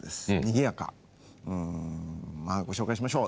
んまあご紹介しましょう。